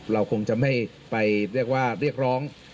เราคงจะไม่ไปเรียกว่าเรียกร้อง